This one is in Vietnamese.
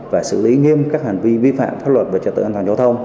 và xử lý nghiêm các hành vi vi phạm pháp luật về trật tự an toàn giao thông